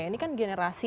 ini kan generasi